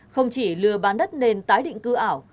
không chỉ lừa bán đất nền tái định cư ảo